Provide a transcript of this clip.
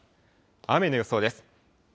雨の予想です。